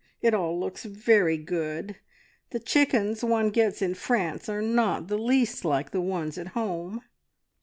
It all looks very good. The chickens one gets in France are not the least like the ones at home."